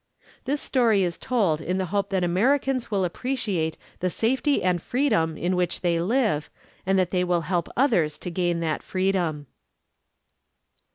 This story is told in the hope that Americans will appreciate the safety and freedom in which they live and that they will help others to gain that freedom.